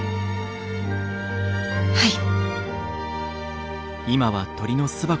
はい。